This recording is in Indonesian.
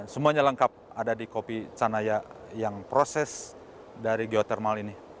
semuanya lengkap ada di kopi sanaya yang proses dari geotermal ini